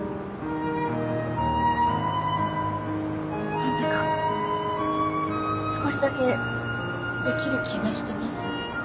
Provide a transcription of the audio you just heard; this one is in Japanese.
何だか少しだけできる気がしてます。